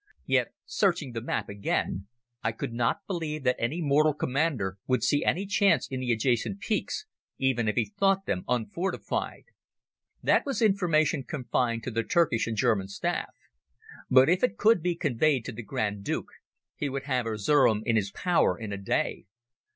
Yet, searching the map again, I could not believe that any mortal commander would see any chance in the adjacent peaks, even if he thought them unfortified. That was information confined to the Turkish and German staff. But if it could be conveyed to the Grand Duke he would have Erzerum in his power in a day.